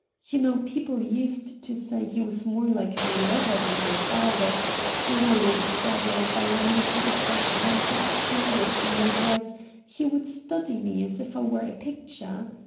You know people used to say he was more like my lover than my father — why, Lady Scardale, if I only put a fresh bunch of flowers in my dress he would study me as if I were a picture.